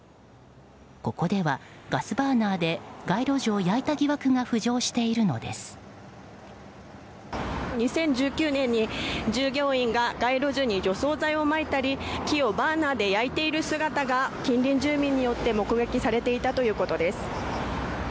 ここではガスバーナーで街路樹を焼いた疑惑が２０１９年に従業員が街路樹に除草剤をまいたり木をバーナーで焼いている姿が近隣住民によって目撃されていたということです。